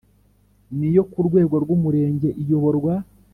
n iyo ku rwego rw Umurenge iyoborwa